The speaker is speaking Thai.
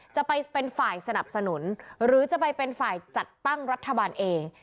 จะไปเป็นฝ่ายสนับสนุนหรือจะไปเป็นฝ่ายจัดตั้งรัฐบาลเอง